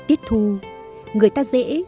tiết thu người ta dễ